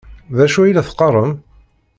D acu ay la teqqarem?